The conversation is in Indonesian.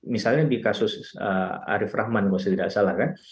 misalnya di kasus arief rahman kalau saya tidak salah kan